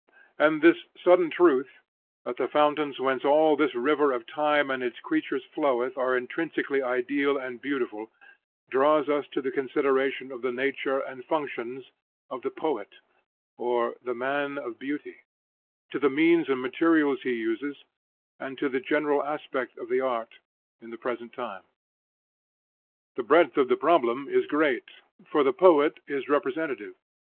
And this hidden truth, that the fountains whence all this river of Time and its creatures floweth are intrinsically ideal and beautiful, draws us to the consideration of the nature and functions of the Poet, or the man of Beauty; to the means and materials he uses, and to the general aspect of the art in the present time. The breadth of the problem is great, for the poet is representative.